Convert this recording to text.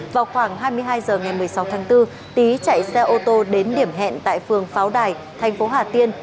vào khoảng hai mươi hai h ngày một mươi sáu tháng bốn tý chạy xe ô tô đến điểm hẹn tại phường pháo đài thành phố hà tiên